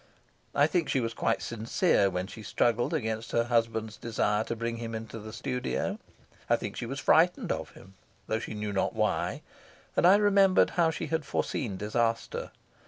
I think she was quite sincere when she struggled against her husband's desire to bring him into the studio; I think she was frightened of him, though she knew not why; and I remembered how she had foreseen disaster.